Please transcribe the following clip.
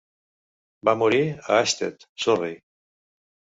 Va morir a Ashtead, Surrey.